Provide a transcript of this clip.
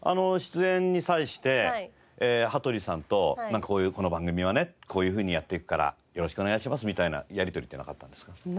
出演に際して羽鳥さんとなんかこういうこの番組はねこういうふうにやっていくからよろしくお願いしますみたいなやりとりっていうのはあったんですか？